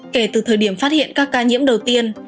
kể từ thời điểm phát hiện các ca nhiễm đầu tiên